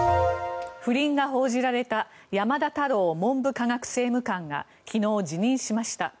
不倫が報じられた山田太郎文部科学政務官が昨日、辞任しました。